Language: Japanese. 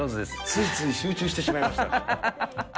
ついつい集中してしまいました。